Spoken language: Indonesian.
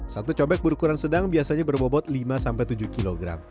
satu cobek berukuran sedang biasanya berbobot lima tujuh kg